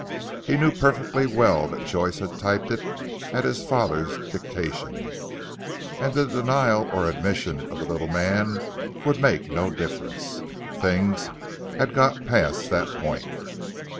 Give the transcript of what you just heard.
He knew perfectly well that Joyce had typed it at his father's dictation, and the denial or admission of the little man would make no difference. Things had got past that point.